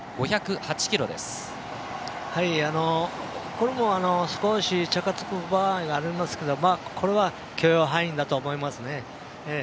これも少しチャカつく場合がありますけど許容範囲だと思います。